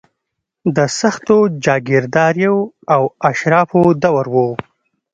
د سختو جاګیرداریو او اشرافو دور و.